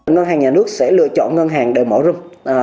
ngân hàng nhà nước sẽ lựa chọn ngân hàng để mở rộng